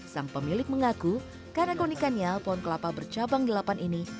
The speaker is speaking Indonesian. sang pemilik mengaku karakonikannya pohon kelapa bercabang delapan ini